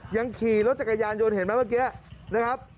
ยังขี่รถจักรยานยนต์เห็นไหมเมื่อกี้นะครับ